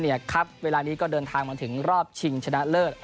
เดินหน้ามาบอกโอกาสและพัฒนาฝุ่นดับเยาวชนอย่างต่อเนื่อง